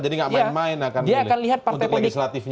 jadi nggak main main akan memilih